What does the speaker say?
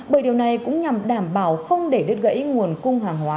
bởi điều này cũng nhằm đảm bảo không để đứt gãy nguồn cung hàng hóa